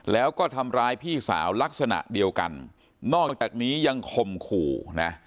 แล้วก็ทำร้ายพี่สาวลักษณะเดียวกันนอกจากนี้ยังคมขู่นะ